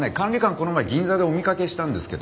この前銀座でお見かけしたんですけど。